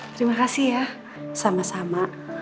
terima kasih ya sama sama